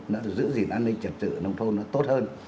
nó giữ gìn an ninh trật tự nông thôn nó tốt hơn